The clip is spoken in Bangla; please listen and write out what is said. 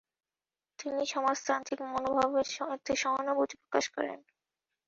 তিনি সমাজতান্ত্রিক মনোভাবের সাথে সহানুভূতি প্রকাশ করেন।